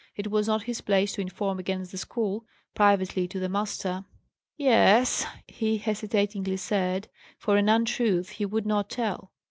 It was not his place to inform against the school, privately, to the master. "Y es," he hesitatingly said, for an untruth he would not tell.